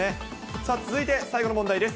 さあ、続いて最後の問題です。